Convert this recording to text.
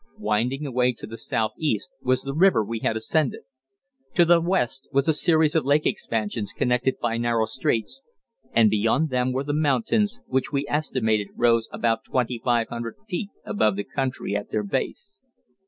Winding away to the southeast was the river we had ascended. To the west was a series of lake expansions connected by narrow straits, and beyond them were the mountains, which we estimated rose about 2,500 feet above the country at their base.